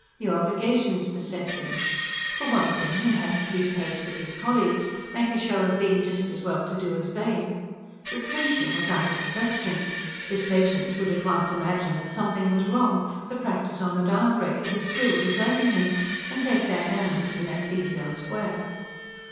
New obligations beset him. For one thing, he had to keep pace with his colleagues; make a show of being just as well to do as they. Retrenching was out of the question. His patients would at once imagine that something was wrong the practice on the downgrade, his skill deserting him and take their ailments and their fees elsewhere.